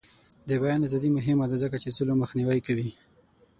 د بیان ازادي مهمه ده ځکه چې ظلم مخنیوی کوي.